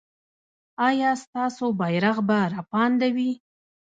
ایا ستاسو بیرغ به رپانده وي؟